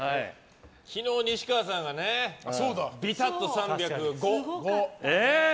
昨日、西川さんがびたっと３０５。